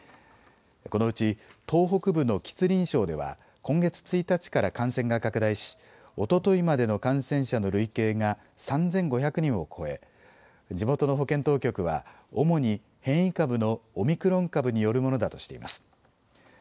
このうち東北部の吉林省では今月１日から感染が拡大しおとといまでの感染者の累計が３５００人を超え地元の保健当局は主に変異株のオミクロン株によるものだとしています。